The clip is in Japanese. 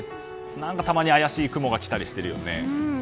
たまに怪しい雲が来たりしてるよね。